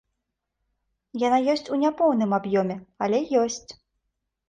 Яна ёсць у няпоўным аб'ёме, але ёсць.